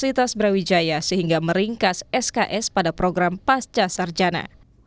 fasilitas brawijaya sehingga meringkas sks pada program pasca sarjana